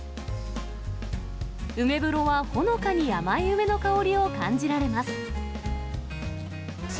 梅風呂はほのかに甘い梅の香りを感じられます。